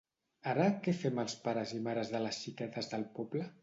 Ara què fem els pares i mares de les xiquetes del poble?